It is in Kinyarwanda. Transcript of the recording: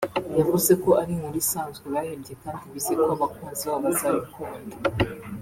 yavuze ko ari inkuru isanzwe bahimbye kandi bizeye ko abakunzi babo bazayikunda